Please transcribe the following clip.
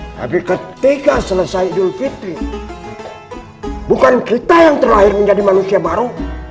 tapi ketika selesai idul fitri bukan kita yang terakhir menjadi manusia baru